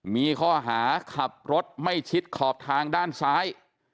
มีข้อหาขับรถไม่ชิดขอบทางด้านซ้าย